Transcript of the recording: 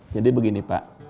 jadi begini pak